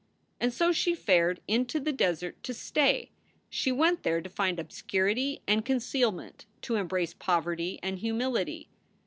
And so she fared into the desert to "stay." She went there to find obscurity and concealment, to embrace poverty and humility.